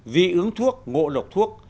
dí ứng thuốc ngộ độc thuốc